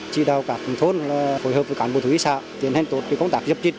trì đào các thôn phối hợp với cảnh bộ thủy xã tiến hành tốt công tác giúp trị